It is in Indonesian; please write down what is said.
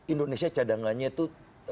indonesia cadangannya itu